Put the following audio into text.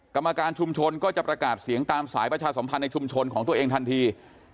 กรรมการชุมชนก็จะประกาศเสียงตามสายประชาสมพันธ์ในชุมชนของตัวเองทันที